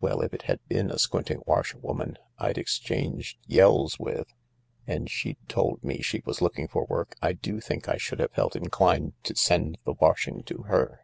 Well, if it had been a squinting washer woman I'd exchanged yells with, and she'd told me she was looking for work, I do think I should have felt inclined to send the washing to her.